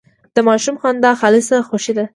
د ماشوم خندا خالصه خوښي ده.